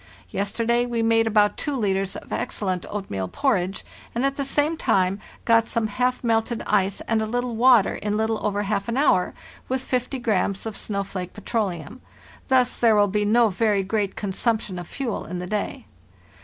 Yesterday we made about two litres of excellent oatmeal porridge, and at the same time got some half melted ice and a little water in little over half an hour, with 50 grammes of snowflake petroleum. Thus there will be no very great consumption of fuel in the day."